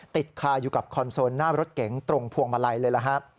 ติดคาอยู่กับคอนโซลหน้ารถเก๋งตรงพวงมาลัยเลยล่ะครับ